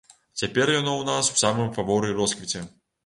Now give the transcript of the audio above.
Цяпер яно ў нас у самым фаворы і росквіце.